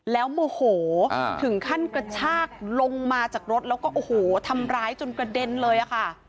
แล้วโมโหถึงขั้นกระชากลงมาจากรถแล้วก็โอ้โหทำร้ายจนกระเด็นเลยค่ะ